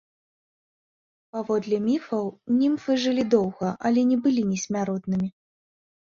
Паводле міфаў німфы жылі доўга, але не былі несмяротнымі.